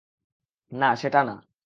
না, সেটা না।